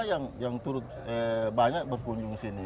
masyarakat juga yang turut banyak berkunjung ke sini